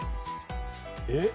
えっ？